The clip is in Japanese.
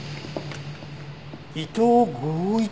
「伊藤剛一」？